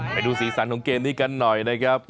ไปดูสีสันของเกมนี้กันหน่อยนะครับ